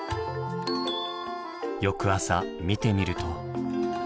翌朝見てみると。